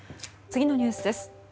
次のニュースです。